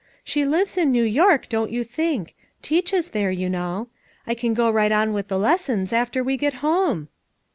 "She lives in New York, don't yon think; teaches there, you know. I can go right on with the lessons after we get hoine."